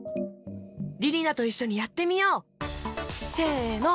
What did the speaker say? りりなといっしょにやってみよう！せの！